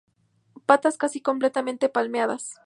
Patas casi completamente palmeadas.